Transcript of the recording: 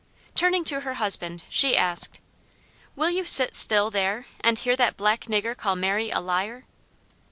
Turning to her husband, she asked, "Will you sit still, there, and hear that black nigger call Mary a liar?"